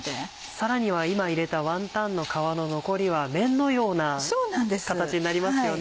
さらには今入れたワンタンの皮の残りは麺のような形になりますよね。